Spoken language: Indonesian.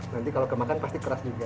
nanti kalau kemakan pasti keras juga